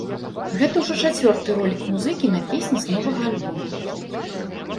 Гэта ўжо чацвёрты ролік музыкі на песні з новага альбома.